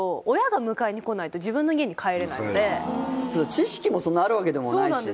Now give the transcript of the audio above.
知識もそんなあるわけでもないしね。